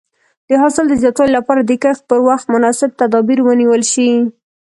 د حاصل د زیاتوالي لپاره د کښت پر وخت مناسب تدابیر ونیول شي.